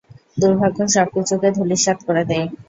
দুর্ভাগ্য সবকিছুকে ধূলিস্যাৎ করে দেয়।